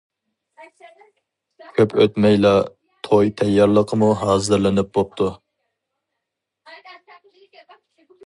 كۆپ ئۆتمەيلا توي تەييارلىقىمۇ ھازىرلىنىپ بوپتۇ.